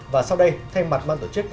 và sau đây thay mặt mặt tổ chức